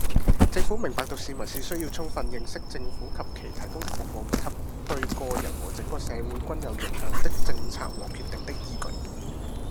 政府明白到市民是需要充分認識政府及其提供的服務，以及對個人和整個社會均有影響的政策和決定的依據